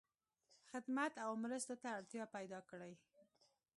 خدمت او مرستو ته اړتیا پیدا کړی.